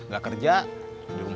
gak kerja di rumah